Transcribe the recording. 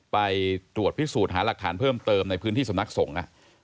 ไปตรวจพิสูจน์หาหลักฐานเพิ่มเติมในพื้นที่สำนักสงฆ์